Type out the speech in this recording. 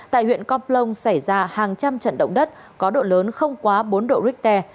tại huyện con plong xảy ra hàng trăm trận động đất có độ lớn không quá bốn độ richter